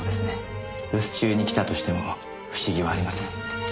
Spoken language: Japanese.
留守中に来たとしても不思議はありません。